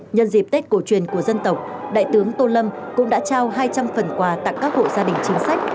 nhân dịp tết cổ truyền của dân tộc đại tướng tô lâm cũng đã trao hai trăm linh phần quà tặng các hộ gia đình chính sách